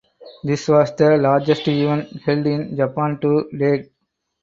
This was the largest event held in Japan to date.